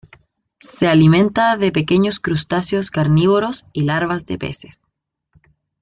Se alimenta de pequeños crustáceos carnívoros y larvas de peces.